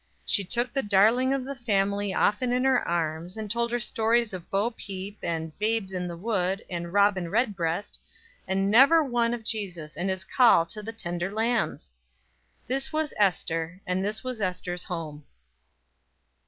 She took the darling of the family often in her arms, and told her stories of "Bo Peep," and the "Babes in the Wood," and "Robin Redbreast," and never one of Jesus and his call for the tender lambs! This was Ester, and this was Ester's home.